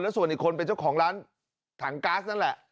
ส่วนอีกคนเป็นเจ้าของร้านถังก๊าซนั่นแหละ